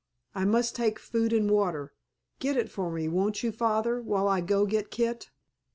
I must take food and water. Get it for me, won't you, Father, while I go get Kit?"